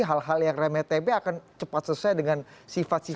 hal hal yang remeh tebe akan cepat selesai dengan sifat sifat